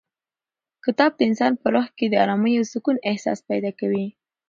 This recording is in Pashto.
کتاب د انسان په روح کې د ارامۍ او سکون احساس پیدا کوي.